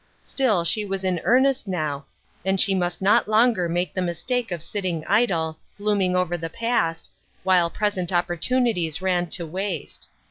Still she was in earnest now, and she must not longer make the mistake of sitting idle, glooming over the past, while present opportunities ran to waste.